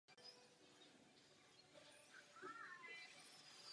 Incident je považován za první předčasný útok druhé světové války.